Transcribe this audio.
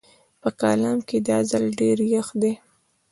په کالام کې دا ځل ډېر يخ دی